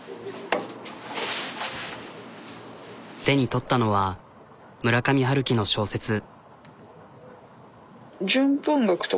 手に取ったのは村上春樹の小説。